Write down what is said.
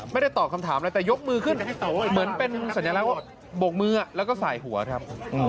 ไม่ได้ตอบคำถามอะไรแต่ยกมือขึ้นเหมือนเป็นสัญลักษณ์ว่าโบกมือแล้วก็สายหัวครับ